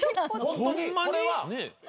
ホントに。